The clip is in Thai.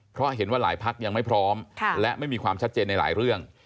เพราะเห็นว่าหลายพักยังไม่พร้อมและไม่มีความชัดเจนในหลายเรื่อง